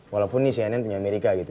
walaupun nih cnn punya amerika gitu ya